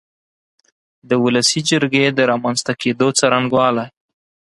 د ولسي جرګې د رامنځ ته کېدو څرنګوالی